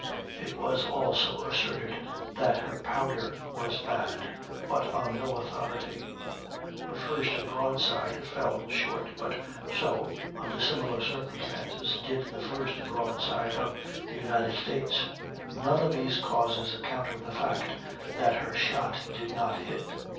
It was also asserted that her powder was bad, but on no authority; her first broadside fell short, but so, under similar circumstances, did the first broadside of the United States. None of these causes account for the fact that her shot did not hit.